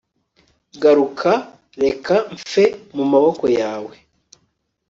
garuka, reka mpfe mu maboko yawe